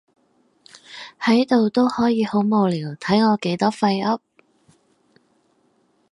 喺度都可以好無聊，睇我幾多廢噏